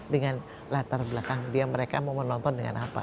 dengan latar belakang dia mereka mau menonton dengan apa